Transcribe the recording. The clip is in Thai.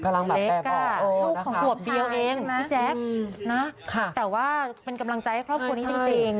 เล็กค่ะลูกของชัวร์กี่แต่งพี่แจ๊คเป็นกำลังใจครอบครู่เนี่ยจริง